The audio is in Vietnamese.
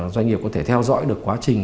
doanh nghiệp có thể theo dõi được quá trình